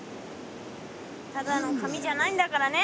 ただの紙じゃないんだからね。